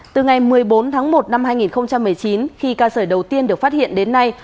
từ ngày một mươi bốn tháng một năm hai nghìn một mươi chín khi ca sởi đầu tiên được phát hiện đến nay